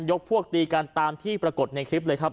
พวกตีกันตามที่ปรากฏในคลิปเลยครับ